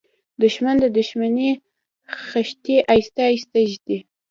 دښمن د دښمنۍ خښتې آهسته آهسته ږدي